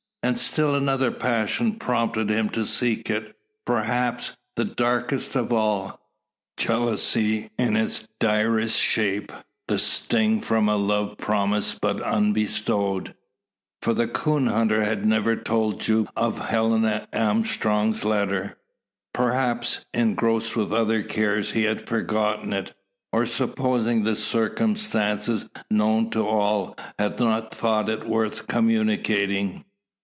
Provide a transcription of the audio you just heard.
And still another passion prompted him to seek it perhaps the darkest of all, jealousy in its direst shape, the sting from a love promised but unbestowed. For the coon hunter had never told Jupe of Helen Armstrong's letter. Perhaps, engrossed with other cares, he had forgotten it; or, supposing the circumstance known to all, had not thought it worth communicating.